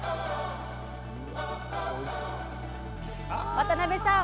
渡辺さん！